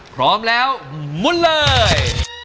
พร้อมแล้วมุนเลย